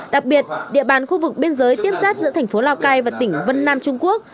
đặc biệt địa bàn khu vực biên giới tiếp xác giữa thành phố lào cai và tỉnh vân nam trung quốc